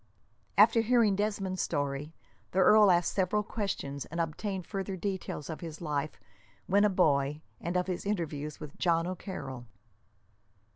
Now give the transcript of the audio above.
After hearing Desmond's story the earl asked several questions, and obtained further details of his life when a boy, and of his interview with John O'Carroll.